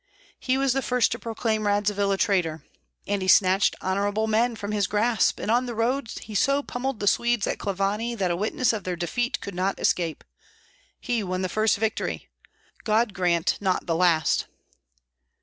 "He was the first to proclaim Radzivill a traitor." "And he snatched honorable men from his grasp, and on the road he so pommelled the Swedes at Klavany that a witness of their defeat could not escape." "He won the first victory!" "God grant, not the last!"